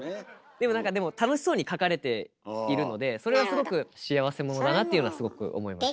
でも何かでも楽しそうに書かれているのでそれはすごく幸せ者だなっていうのはすごく思いましたね。